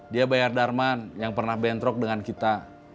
dia bayar darman yang pernah bentrok dengan kita